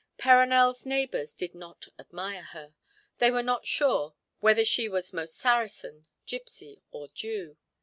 Perronel's neighbours did not admire her. They were not sure whether she were most Saracen, gipsy, or Jew.